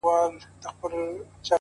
زه زما او ستا و دښمنانو ته.